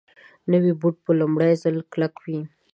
نوی بوټ په لومړي ځل کلک وي